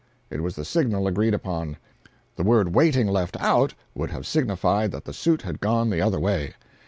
It was the signal agreed upon. The word "waiting" left out, would have signified that the suit had gone the other way.